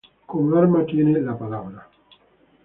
Como arma tiene un hacha.